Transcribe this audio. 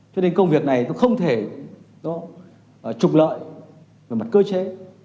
cho nên công việc này không thể trục lợi về mặt cơ chế